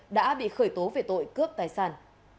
đã bị khởi tố về tội cướp tài sản